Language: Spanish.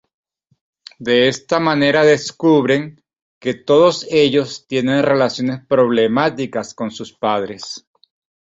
De esta manera descubren que todos ellos tienen relaciones problemáticas con sus padres.